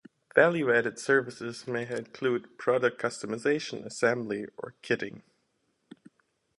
Value-added services may include product customization, assembly, or kitting.